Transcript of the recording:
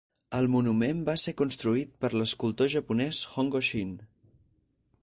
El monument va ser construït per l'escultor japonès Hongo Shin.